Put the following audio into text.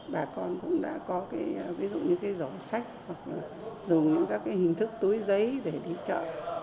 bà con cũng đã có cái ví dụ như cái giỏ sách hoặc là dùng những các cái hình thức túi giấy để đi chợ